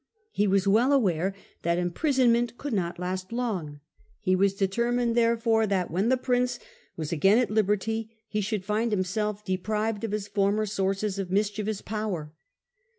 He was well aware that that imprison ment could not last long ; he was determined therefore that when the Prince wa? again at liberty he should find himself deprived of his former sources of mischievous Danger in power.